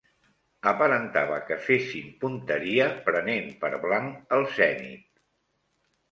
Aparentava que fessin punteria prenent per blanc el zenit